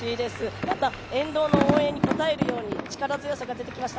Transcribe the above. また、沿道の応援に応えるように力強さが出てきました。